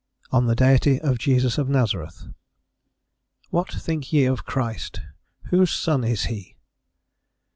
ON THE DEITY OF JESUS OF NAZARETH "WHAT think ye of Christ, whose son is he?"